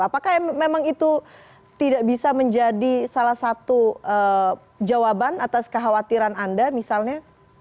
apakah memang itu tidak bisa menjadi salah satu jawaban atas kekhawatiran anda misalnya